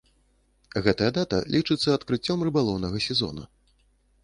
Гэтая дата лічыцца адкрыццём рыбалоўнага сезона.